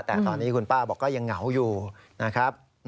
แต่ตอนนี้คุณป้าบอกก็ยังเหงาอยู่นะครับ